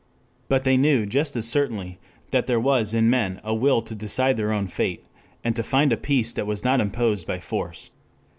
But they knew just as certainly, that there was in men a will to decide their own fate, and to find a peace that was not imposed by force.